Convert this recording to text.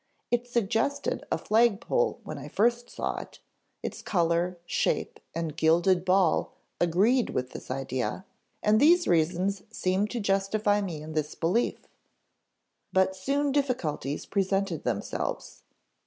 It suggested a flagpole when I first saw it; its color, shape, and gilded ball agreed with this idea, and these reasons seemed to justify me in this belief. But soon difficulties presented themselves.